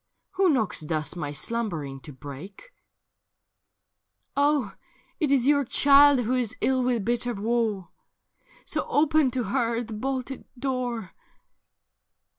Who knocks thus my slumbering to break ?'■ Oh ! it is your child who is ill with bitter woe ! So open to her the bohed door.'